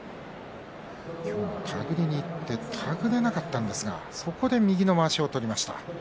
今日も手繰りにいって手繰れなかったんですがそこで右のまわしを取りました。